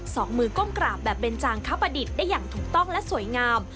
อกมือก้มกราบแบบเบนจางคประดิษฐ์ได้อย่างถูกต้องและสวยงาม